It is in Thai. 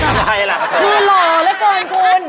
ทำไมล่ะครับเธอคือหล่อเหลือเกินคุณ